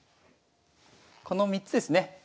この３つですね。